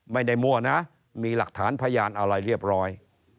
ไม่ได้มั่วนะมีหลักฐานภรรยาอะไรเรียบร้อย